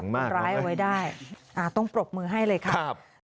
คนร้ายเอาไว้ได้ต้องปรบมือให้เลยค่ะ